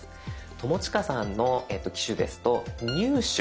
友近さんの機種ですと「入手」。